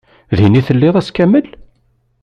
Din i telliḍ ass kamel?